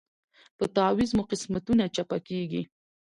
په تعویذ مو قسمتونه چپه کیږي